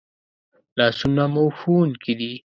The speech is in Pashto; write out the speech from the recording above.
لاسونه مو ښوونکي دي